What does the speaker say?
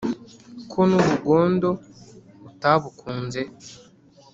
ko n' ubugondo utabukunze?